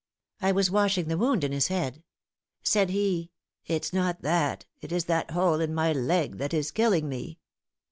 I was washing the wound in his head. Said he, 'It is not that; it is that hole in my leg that is killing me.'